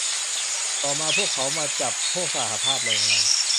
ต่อมา พวกเขามาจับพวกสหภาพแรงงาน